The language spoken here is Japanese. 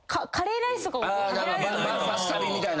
「バス旅」みたいな？